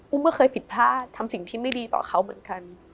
ก็เคยผิดพลาดทำสิ่งที่ไม่ดีต่อเขาเหมือนกัน